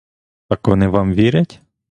Так вони вам вірять?